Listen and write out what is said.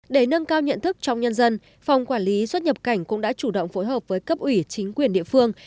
để nâng cao nhận thức trong nhân dân phòng quản lý xuất nhập cảnh cũng đã chủ động phối hợp với cấp ủy chính quyền địa phương